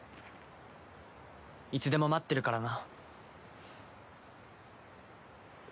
いつでも待ってるからな。